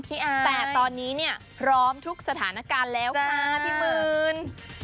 แต่ตอนนี้เนี่ยพร้อมทุกสถานการณ์แล้วค่ะพี่หมื่น